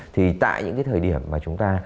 thì tại những cái thời điểm mà chúng ta